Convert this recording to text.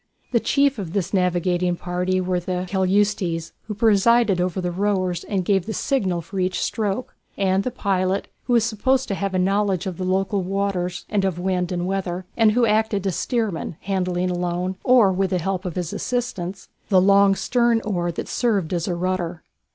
The chiefs of this navigating party were the keleustes, who presided over the rowers and gave the signal for each stroke, and the pilot, who was supposed to have a knowledge of the local waters and of wind and weather, and who acted as steersman, handling alone, or with the help of his assistants, the long stern oar that served as a rudder.